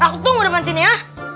aku tunggu depan sini ya